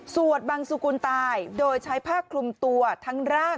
สวดบังสุกุลตายโดยใช้ผ้าคลุมตัวทั้งร่าง